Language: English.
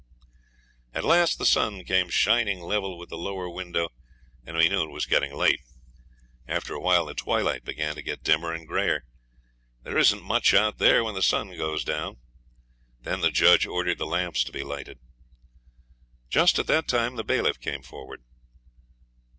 At last the sun came shining level with the lower window, and we knew it was getting late. After a while the twilight began to get dimmer and grayer. There isn't much out there when the sun goes down. Then the judge ordered the lamps to be lighted. Just at that time the bailiff came forward.